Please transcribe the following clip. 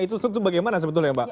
itu bagaimana sebetulnya ya pak